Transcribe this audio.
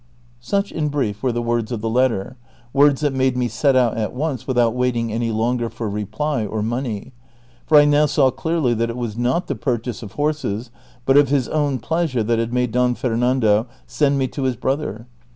Such, in brief, were the words of the letter, words that made me set out at once without waiting any longer for reply or money ; for I now saw clearly that it was not the purchase of horses but of his own pleasure that had made Don Fernando send me to his brother.